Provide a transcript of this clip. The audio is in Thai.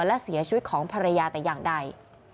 และเสียชีวิตของภรรยาแต่อย่างใด